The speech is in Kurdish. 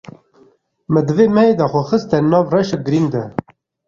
Me di vê mehê de xwe xiste nav rewşek girîng de.